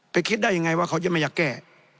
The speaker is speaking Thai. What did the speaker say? คิดได้ยังไงว่าเขาจะไม่อยากแก้